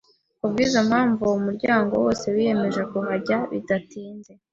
Ku bw’izo mpamvu, uwo muryango wose wiyemeje kuhajya bidatinze.